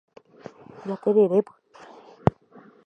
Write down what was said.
Jatererépy